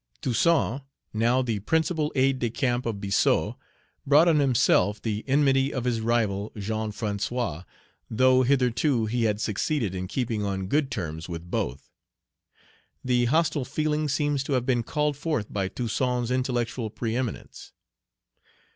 Toussaint, now the principal aide de camp of Biassou, brought on himself the enmity of his rival, Jean François, though hitherto he had succeeded in keeping on good terms with both. The hostile feeling seems to have been called forth by Toussaint's intellectual preeminence.